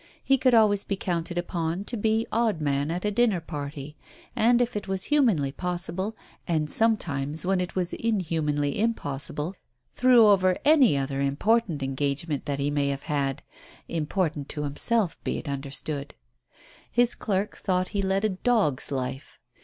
He could always be counted upon to be odd man at a dinner party, and if it was humanly possible, and sometimes when it was inhumanly impos sible, threw over any other important engagement that he might have had — important to himself, be it under stood. His clerk thought he led a "dog's life."